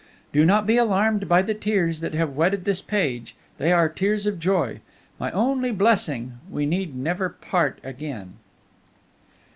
"Do not be alarmed by the tears that have wetted this page; they are tears of joy. My only blessing, we need never part again!"